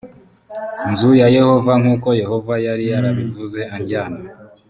nzu ya yehova nk uko yehova yari yarabivuze ajyana